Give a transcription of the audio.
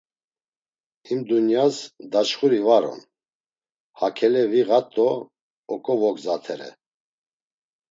Him dunyas daçxuri var on, hakele viğat do ok̆ovogzatere.